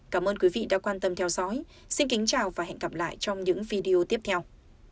cảm ơn quý vị đã quan tâm theo dõi xin kính chào và hẹn gặp lại trong những video tiếp theo